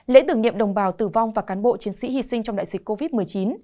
lễ tưởng niệm đồng bào tử vong và cán bộ chiến sĩ hy sinh trong đại dịch covid một mươi chín